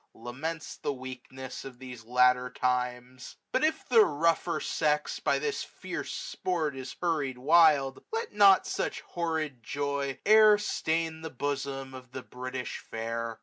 Laments the weakness of. these latter times. But if the rougher sex by this fierce sport 570 Is hurried wild, let not such horrid joy AUTUMN. 143 E'er stain the bosom of the British Fair.